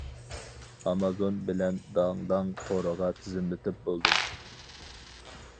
ئامازون بىلەن داڭ-داڭ تورىغا تىزىملىتىپ بولدۇم.